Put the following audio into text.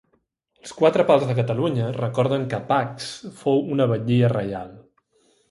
Els quatre pals de Catalunya recorden que Pacs fou una batllia reial.